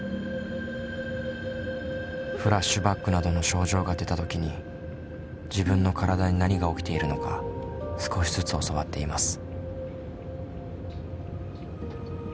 フラッシュバックなどの症状が出た時に自分の体に何が起きているのか少しずつ教わっています。